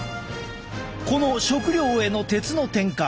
この食料への鉄の添加。